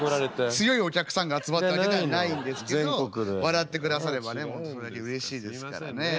強いお客さんが集まったわけではないんですけど笑ってくださればね本当うれしいですからね。